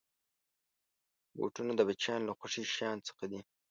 بوټونه د بچیانو له خوښې شيانو څخه دي.